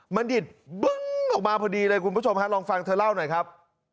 มันดิดบึ้งออกมาพอดีเลยคุณผู้ชมฮะลองฟังเธอเล่าหน่อยครับ